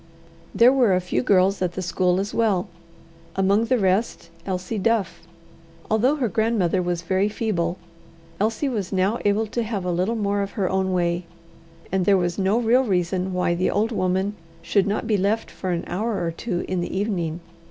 There were a few girls at the school as well among the rest, Elsie Duff. Although her grandmother was very feeble, Elsie was now able to have a little more of her own way, and there was no real reason why the old woman should not be left for an hour or two in the evening.